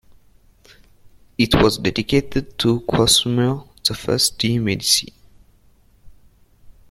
It was dedicated to Cosimo the First de' Medici.